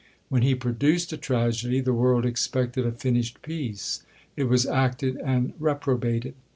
When he produced a tragedy, the world expected a finished piece; it was acted, and reprobated.